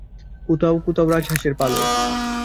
কোথাও কোথাও রাজহাঁসের পালও।